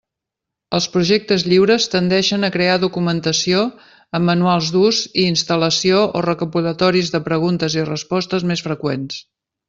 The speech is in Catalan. Els projectes lliures tendeixen a crear documentació amb manuals d'ús i instal·lació o recopilatoris de preguntes i respostes més freqüents.